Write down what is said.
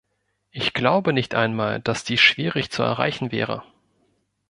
Ich glaube nicht einmal, dass dies schwierig zu erreichen wäre.